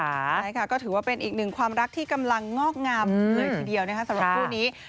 ใช่ค่ะก็ถือว่าเป็นอีกหนึ่งความรักที่กำลังงอกงามเลยทีเดียวนะคะสำหรับคู่นี้